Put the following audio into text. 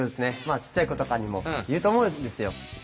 まあちっちゃい子とかにも言うと思うんですよ。